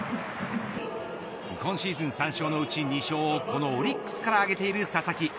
今シーズン３勝のうち２勝をこのオリックスからあげている佐々木。